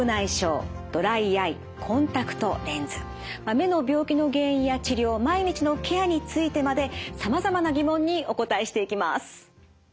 目の病気の原因や治療毎日のケアについてまでさまざまな疑問にお答えしていきます。